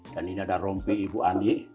dan ini ada rombi ibu ani